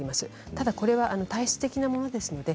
ただこれは体質的なものです。